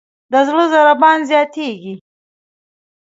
د زړه ضربان زیاتېږي.